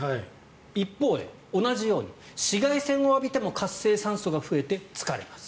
一方で同じように紫外線を浴びても活性酸素が増えて疲れます。